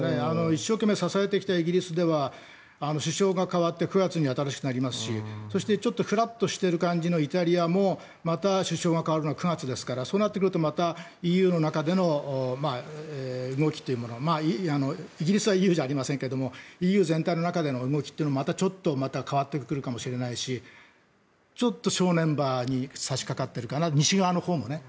一生懸命支えてきたイギリスでは首相が代わって９月に新しくなりますしそして、ちょっとふらっとしている感じのイタリアもまた首相が代わるのは９月ですからそうなってくるとまたＥＵの中での動きというのがイギリスはＥＵじゃありませんがＥＵ全体の中での動きというのもまたちょっと変わってくるかもしれませんしちょっと正念場に差しかかってるかな西側のほうもね。